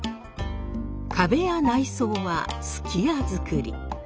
壁や内装は数寄屋造り。